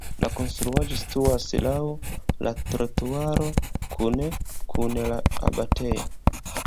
La konstruaĵo situas laŭ la trotuaro kune kun la abatejo.